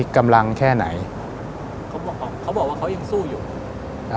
กำลังแค่ไหนเขาบอกว่าเขายังสู้อยู่